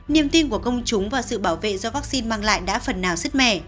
niềm tin của công chúng và sự bảo vệ do vaccine mang lại đã phần nào xứt mẻ